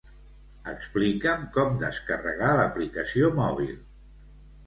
Explica'm com descarregar l'aplicació mòbil.